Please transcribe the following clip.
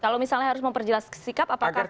kalau misalnya harus memperjelas sikap apakah